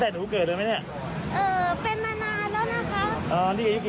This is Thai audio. แต่ผู้ใหญ่ไม่รู้